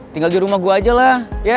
tinggal di rumah gue aja lah